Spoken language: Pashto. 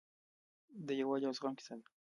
د یووالي او زغم کیسه ده.